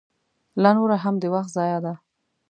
لا نوره هم د وخت ضایع ده.